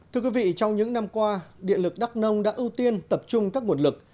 thưa quý vị trong những năm qua điện lực đắk nông đã ưu tiên tập trung các nguồn lực